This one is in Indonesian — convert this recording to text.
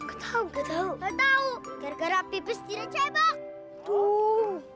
enggak tahu tahu enggak tahu gara gara pipis tidak cebak tuh